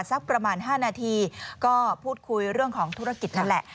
สักประมาณ๕นาทีก็พูดคุยเรื่องของธุรกิจนั่นแหละ